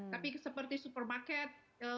tapi seperti supermarket